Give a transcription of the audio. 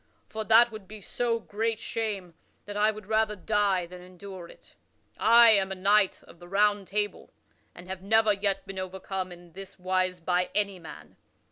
For that would be so great shame that I would rather die than endure it. I am a knight of the Round Table, and have never yet been overcome in this wise by any man.